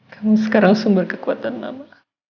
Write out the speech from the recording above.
kamu sekarang sumber kekuatan nama